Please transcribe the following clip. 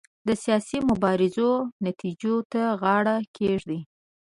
د سیاسي مبارزو نتیجو ته غاړه کېږدي.